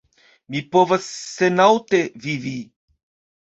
Mi povas senaŭte vivi.